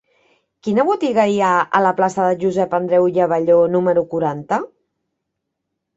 Quina botiga hi ha a la plaça de Josep Andreu i Abelló número quaranta?